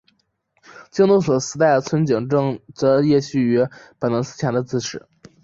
京都所司代村井贞胜则夜宿于本能寺前的自邸。